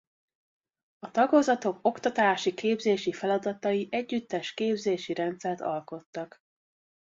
A tagozatok oktatási-képzési feladatai együttes képzési rendszert alkottak.